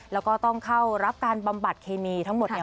แล้วก็ต้องเข้ารับการบำบัดเคมีทั้งหมด